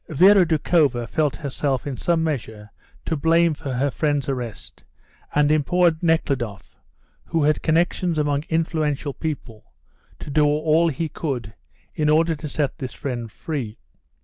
Vera Doukhova felt herself in some measure to blame for her friend's arrest, and implored Nekhludoff, who had connections among influential people, to do all he could in order to set this friend free.